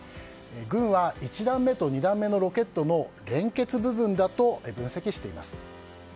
軍は、１段目と２段目のロケットの連結部分だと分析しています。